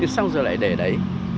xong rồi lại để đấy